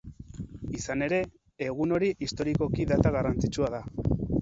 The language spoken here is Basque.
Izan ere, egun hori historikoki data garrantzitsua da.